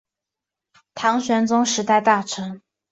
唐玄宗时代大臣。